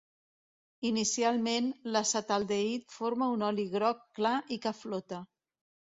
Inicialment, l'acetaldehid forma un oli groc clar i que flota.